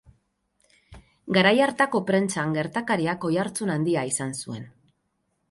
Garai hartako prentsan gertakariak oihartzun handia izan zuen.